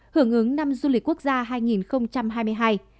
hưởng ứng năm dùm lễ hội